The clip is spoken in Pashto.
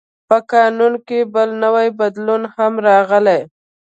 په قانون کې بل نوی بدلون هم راغی.